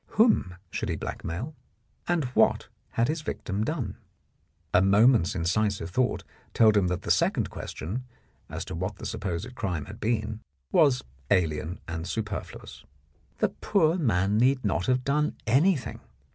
Whom should he blackmail, and what had his victim done? A moment's incisive thought told him that the second question, as to what the supposed crime had been, was alien and superfluous. The poor man need not have done anything.